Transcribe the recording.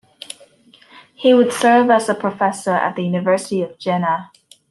He would serve as a professor at the University of Jena.